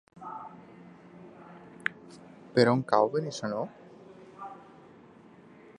Per on cau Benissanó?